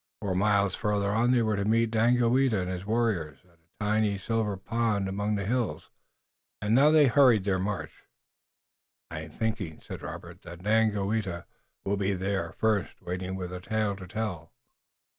Four miles farther on they were to meet Daganoweda and his warriors, at a tiny silver pond among the hills, and now they hurried their march. "I'm thinking," said Robert, "that Daganoweda will be there first, waiting with a tale to tell."